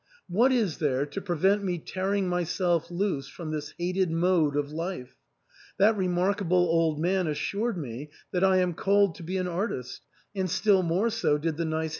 What is there to prevent me tear ing myself loose from this hated mode of life ? That remarkable old man assured me that I am called to be an artist, and still more so did the nice handsome youth.